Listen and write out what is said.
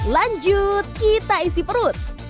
lanjut kita isi perut